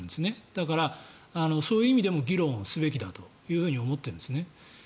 だからそういう意味でも議論すべきだと思ってるんです。